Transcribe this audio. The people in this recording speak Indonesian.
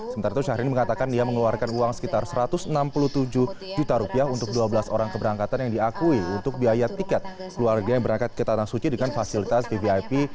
sementara itu syahrini mengatakan dia mengeluarkan uang sekitar satu ratus enam puluh tujuh juta rupiah untuk dua belas orang keberangkatan yang diakui untuk biaya tiket keluarga yang berangkat ke tanah suci dengan fasilitas vvip